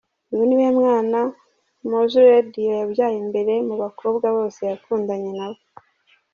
Uyu ni we mwana Mowzey Radio yabyaye mbere mu bakobwa bose yakundanye na bo.